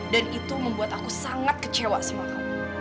dan itu membuat aku sangat kecewa sama kamu